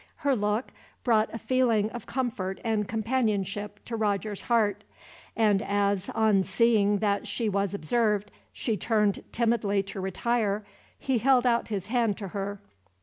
Her look brought a feeling of comfort and companionship to Roger's heart; and as, on seeing that she was observed, she turned timidly to retire, he held out his hand to her.